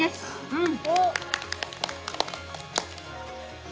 うん！